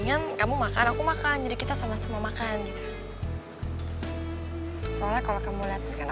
aku makan aku makan jadi kita sama sama makan gitu